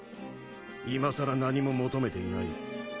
いまさら何も求めていない